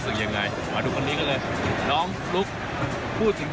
ก็ที่รายงานอยู่ตอนนี้เนี่ยเสมอเป็นอยู่ที่ศูนย์ประตูต่อศูนย์